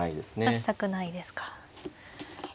指したくないですか。